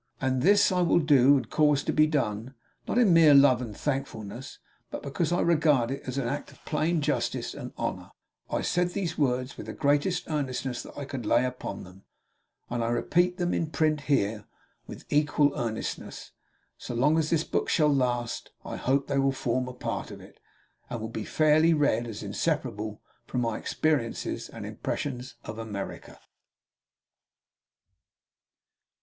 And this I will do and cause to be done, not in mere love and thankfulness, but because I regard it as an act of plain justice and honour." I said these words with the greatest earnestness that I could lay upon them, and I repeat them in print here with equal earnestness. So long as this book shall last, I hope that they will form a part of it, and will be fairly read as inseparable from my experiences and impressions of America.